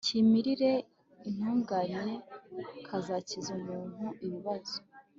kimirire itunganye kazakiza umuntu ibibazo